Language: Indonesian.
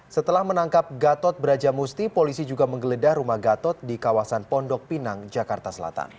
setelah menangkap gatot brajamusti polisi juga menggeledah rumah gatot di kawasan pondok pinang jakarta selatan